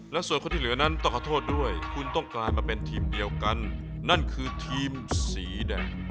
และส่วนคนที่เหลือนั้นต้องขอโทษด้วยคุณต้องกลายมาเป็นทีมเดียวกันนั่นคือทีมสีแดง